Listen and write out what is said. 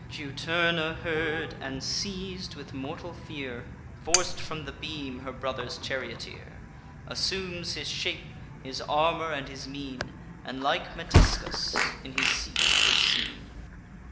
Juturna heard, and, seiz'd with mortal fear, Forc'd from the beam her brother's charioteer; Assumes his shape, his armour, and his mien, And, like Metiscus, in his seat is seen.